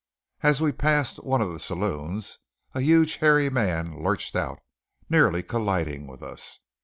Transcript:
As we passed one of the saloons a huge, hairy man lurched out, nearly colliding with us.